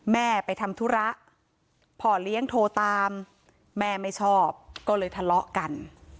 แม่ไปทำธุระพ่อเลี้ยงโทรตามแม่ไม่ชอบก็เลยทะเลาะกัน